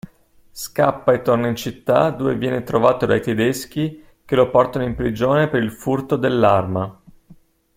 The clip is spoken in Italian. Scappa e torna in città dove viene trovato dai tedeschi che lo portano in prigione per il furto dell'arma.